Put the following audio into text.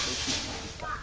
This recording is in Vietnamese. cái gì mà em cặp cúm không